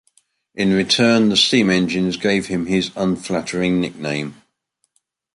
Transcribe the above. In return, the steam engines gave him his unflattering nickname.